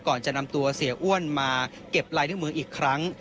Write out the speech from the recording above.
ก่อนจะนำตัวเสียอ้วนมาเก็บลายนิ้วมืออีกครั้ง